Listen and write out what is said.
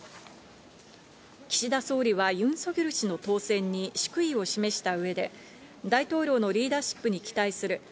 岸田総理はユン・ソギョル氏の当選に祝意を示した上で大統領のリーダーシップに期待する。